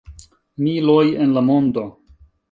Miloj en la mondo.